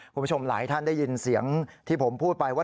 คุณผู้ชมหลายท่านได้ยินเสียงที่ผมพูดไปว่า